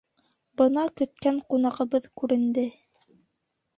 Бына көткән ҡунағыбыҙ күренде.